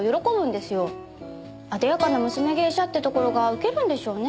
艶やかな娘芸者ってところがウケるんでしょうね。